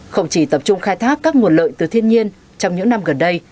không chỉ tập trung khai thác các nguồn lợi từ thiên nhiên trong những năm gần đây